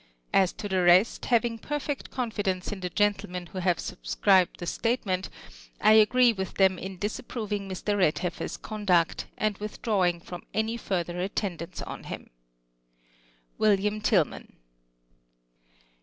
As to the rest, hav ing" perfect confidence in tlie g entlemen who have subscribed the statement, I agree with tJiem in disapproving Mr. Redhef^'er's conduct, and with di awiny from any further attendance on him. V/M. I'lLGHMAK.